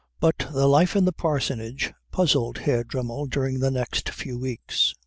But the life in the parsonage puzzled Herr Dremmel during the next few weeks.